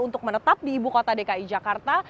untuk menetap di ibu kota dki jakarta